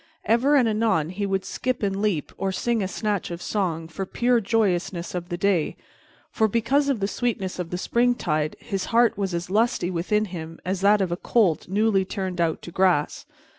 Ever and anon he would skip and leap or sing a snatch of song, for pure joyousness of the day; for, because of the sweetness of the springtide, his heart was as lusty within him as that of a colt newly turned out to grass.